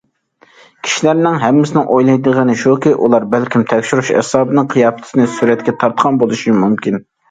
كىشىلەرنىڭ ھەممىسىنىڭ ئويلايدىغىنى شۇكى، ئۇلار بەلكىم تەكشۈرۈش ئەسۋابىنىڭ قىياپىتىنى سۈرەتكە تارتقان بولۇشى مۇمكىن.